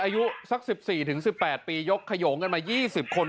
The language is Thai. อายุสักสิบสี่ถึงสิบแปดปียกไขโยงกันมายี่สิบคน